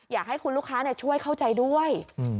อยากให้คุณลูกค้าช่วยเข้าใจด้วย